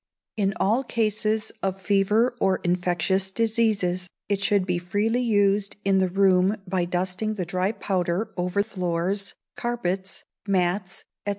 In all cases of fever or infectious diseases, it should be freely used in the room by dusting the dry powder over floors, carpets, mats, &c.